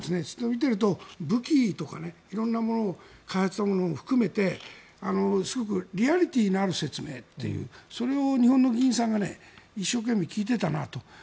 見ていると、武器とか色んな開発したものを含めてすごくリアリティーのある説明というそれを日本の議員さんが一生懸命聞いていたなと。